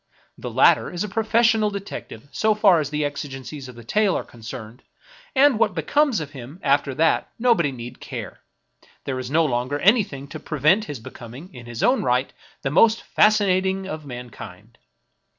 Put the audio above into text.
The latter is a professional detective so far as the exigencies of the tale are concerned, and what becomes of him after that nobody need care, — there is no longer any thing to prevent his becoming, in his own right, the most fascinating of mankind.